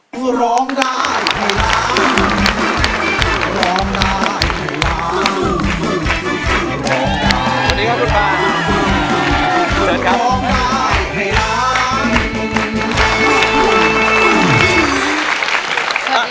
กูร้อง